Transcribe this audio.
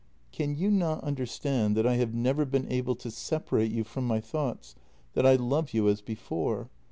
Can you not understand that I have never been able to sep arate you from my thoughts, that I love you as before?